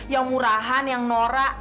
yang murahan yang norak